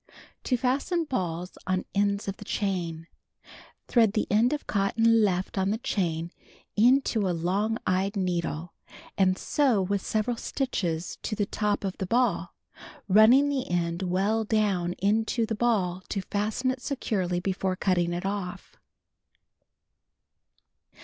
To Fasten Balls on Ends of the Chain: Thread the end of cotton left on the chain into a long eyed needle and sew with several stitches to the top of the ball, running the end well down into the ball to fasten it securely before cutting it off.